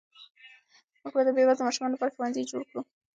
موږ به د بې وزلو ماشومانو لپاره ښوونځي جوړ کړو.